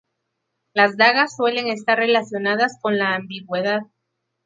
Las dagas suelen estar relacionadas con la ambigüedad.